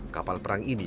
kapal perang ini